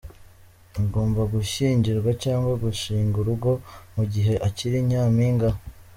Ntagomba gushyingirwa cyangwa gushinga urugo mu gihe akiri Nyampinga.